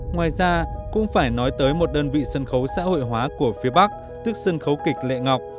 ngoài ra cũng phải nói tới một đơn vị sân khấu xã hội hóa của phía bắc tức sân khấu kịch lệ ngọc